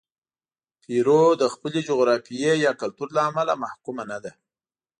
پیرو د خپلې جغرافیې یا کلتور له امله محکومه نه ده.